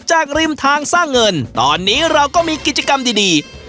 ริมทางสร้างเงินตอนนี้เราก็มีกิจกรรมดี